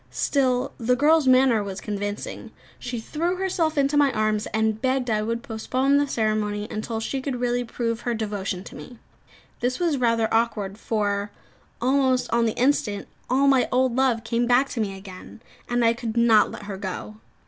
Still, the girl's manner was convincing. She threw herself into my arms, and begged I would postpone the ceremony, until she could really prove her devotion to me. This was rather awkward; for, almost on the instant, all my old love came back to me again, and I could not let her go.